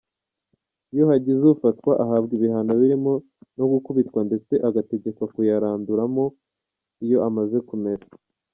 Iyo hagize ufatwa ahabwa ibihano birimo no gukubitwa ndetse agategekwa kuyaranduramu iyo amaze kumera.